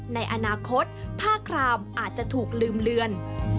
ในอนาคตผ้าครามอาจจะถูกลืมเลือน